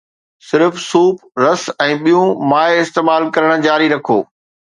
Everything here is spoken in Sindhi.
صرف سوپ، رس، ۽ ٻيون مائع استعمال ڪرڻ جاري رکو